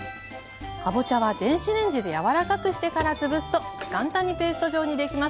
かぼちゃは電子レンジで柔らかくしてから潰すと簡単にペースト状にできます。